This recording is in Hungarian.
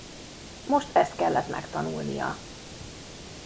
Most ezt kellett megtanulnia.